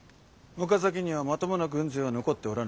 岡崎にはまともな軍勢は残っておらぬはず。